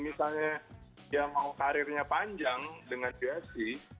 misalnya dia mau karirnya panjang dengan gfc